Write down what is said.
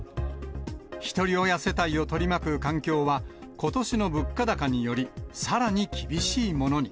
ひとり親世帯を取り巻く環境は、ことしの物価高により、さらに厳しいものに。